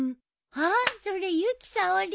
あっそれ由紀さおり？